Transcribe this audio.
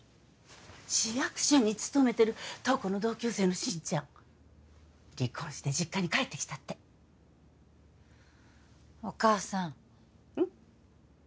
市役所に勤めてる瞳子の同級生の新ちゃん離婚して実家に帰ってきたってお母さんうん？